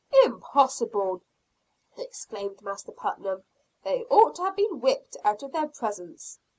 "Impossible!" exclaimed Master Putnam. "They ought to have been whipped out of their presence."